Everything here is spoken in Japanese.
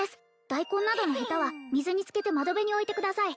大根などのヘタは水につけて窓辺に置いてください